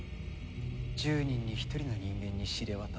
１０人に１人の人間に知れ渡ったか。